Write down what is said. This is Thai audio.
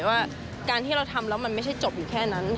ว่าการที่เราทำแล้วมันไม่ใช่จบอยู่แค่นั้น